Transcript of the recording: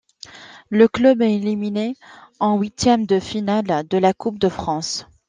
Le club est éliminé en huitième de finale de la Coupe de France.